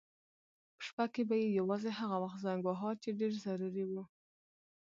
په شپه کې به یې یوازې هغه وخت زنګ واهه چې ډېر ضروري و.